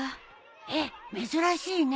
え珍しいね。